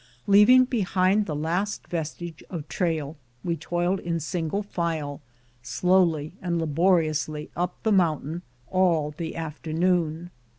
Leaving be hind the last vestige of trail, we toiled in single file slowly and laboriously up the mountain all the after noon.